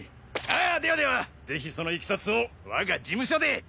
ああではではぜひその経緯を我が事務所で。